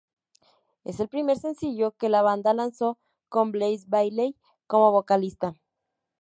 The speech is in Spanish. Es el primer sencillo que la banda lanzó con Blaze Bayley como vocalista.